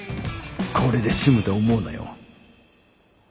これで済むと思うなよ。